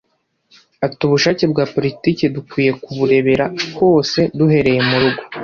Ati “Ubushake bwa politiki dukwiye kuburebera hose duhereye mu rugo